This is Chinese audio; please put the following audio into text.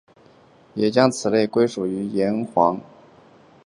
也将此类归类于岩黄蓍属。